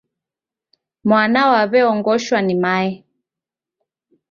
Mwana waw'eongoshwa ni mae.